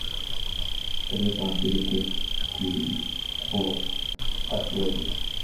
It is affiliated to Netball Australia.